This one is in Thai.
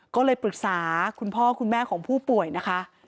ก็เลยปรึกษาคุณพ่อคุณแม่ของผู้ป่วยนะคะ